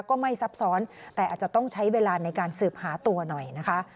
ก็ไม่ซับซ้อนแต่อาจจะต้องใช้เวลาในการสืบหาตัวหน่อยนะคะ